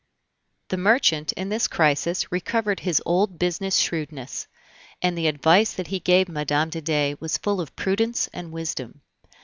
The merchant in this crisis recovered his old business shrewdness, and the advice that he gave Mme. de Dey was full of prudence and wisdom.